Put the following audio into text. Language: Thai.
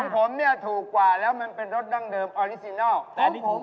ของผมถูกกว่าแล้วมันเป็นรสดางเดิมออริจินัล